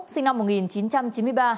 sinh năm một nghìn chín trăm chín mươi ba